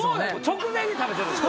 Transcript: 直前に食べてるんです